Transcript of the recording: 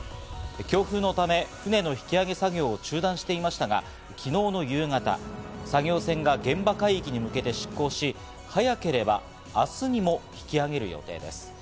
強風のため船の引き揚げ作業を中断していましたが、昨日の夕方、作業船が現場海域に向けて出港し、早ければ明日にも引き揚げる予定です。